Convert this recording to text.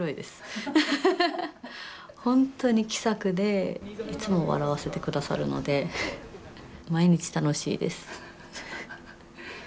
本当に気さくでいつも笑わせてくださるので毎日楽しいです。